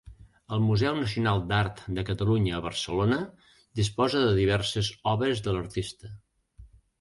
El Museu Nacional d'Art de Catalunya a Barcelona, disposa de diverses obres de l'artista.